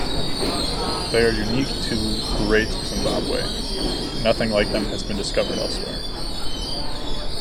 They are unique to Great Zimbabwe; nothing like them has been discovered elsewhere.